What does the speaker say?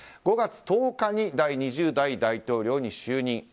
５月１０日に第２０代大統領に就任。